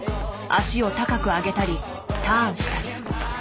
脚を高く上げたりターンしたり。